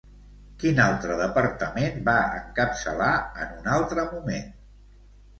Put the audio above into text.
Quin altre departament va encapçalar en un altre moment?